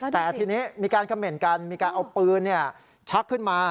แต่ทีนี้มีการเขม่นกันมีการเอาปืนชักขึ้นมา